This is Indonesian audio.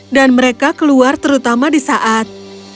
dan mereka keluar terutama di saat